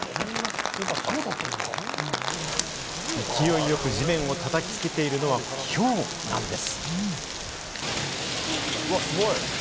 勢いよく地面を叩きつけているのは、ひょうなんです。